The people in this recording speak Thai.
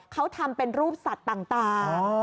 เขาทำเป็นรูปสัตว์ต่าง